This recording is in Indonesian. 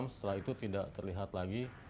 setelah itu tidak terlihat lagi